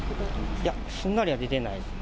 いや、すんなりは出てないです。